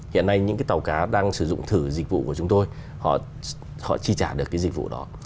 hiện nay những cái tàu cá đang sử dụng thử dịch vụ của chúng tôi họ chi trả được cái dịch vụ đó